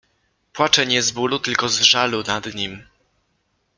Płacze nie z bólu, tylko z żalu nad nim.